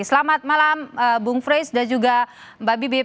selamat malam bung fresh dan juga mbak bibip